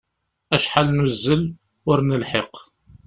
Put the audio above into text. Acḥal nuzzel, ur nelḥiq!